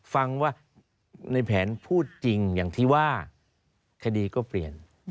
ฟังว่าในแผนพูดจริงอย่างที่ว่าคดีก็เปลี่ยน